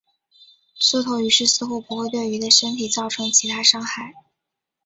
缩头鱼虱似乎不会对鱼的身体造成其他伤害。